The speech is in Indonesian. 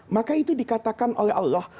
maka itu dikatakan oleh allah